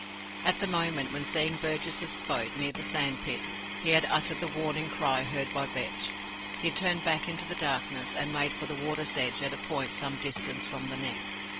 At the moment when, seeing Burgess's boat near the sand spit, he had uttered the warning cry heard by Vetch, he turned back into the darkness, and made for the water's edge at a point some distance from the Neck.